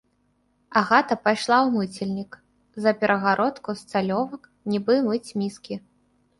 Агата пайшла ў мыцельнік, за перагародку з цалёвак, нібы мыць міскі.